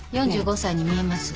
４５歳に見えます。